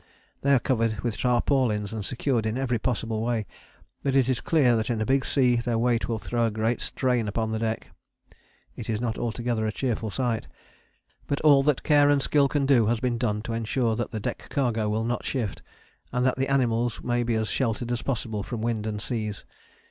They are covered with tarpaulins and secured in every possible way, but it is clear that in a big sea their weight will throw a great strain upon the deck. It is not altogether a cheerful sight. But all that care and skill can do has been done to ensure that the deck cargo will not shift, and that the animals may be as sheltered as possible from wind and seas.